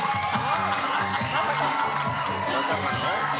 まさかの。